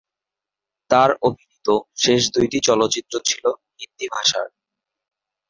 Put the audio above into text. তার অভিনীত শেষ দুইটি চলচ্চিত্র ছিল হিন্দি ভাষার।